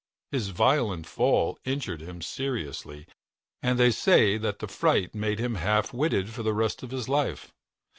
His violent fall injured him seriously, and they say that the fright made him half witted for the rest of his life.